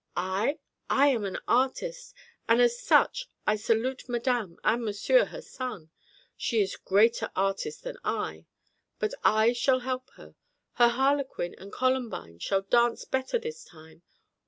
"I? I am an artist, and as such I salute madame and monsieur, her son. She is greater artist than I, but I shall help her. Her harlequin and columbine shall dance better this time.